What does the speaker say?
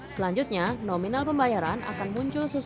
selanjutnya nominal pembayaran akan muncul di dalam alat ini